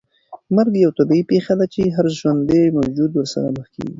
مرګ یوه طبیعي پېښه ده چې هر ژوندی موجود ورسره مخ کېږي.